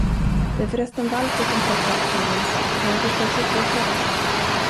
Det är för resten Walter, som skött alltsammans, och han förstår sig på sådant.